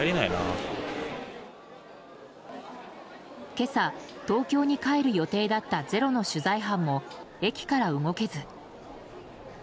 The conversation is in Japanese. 今朝、東京に帰る予定だった「ｚｅｒｏ」の取材班も駅から動けず。